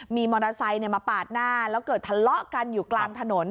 มีมอเตอร์ไซค์มาปาดหน้าแล้วเกิดทะเลาะกันอยู่กลางถนน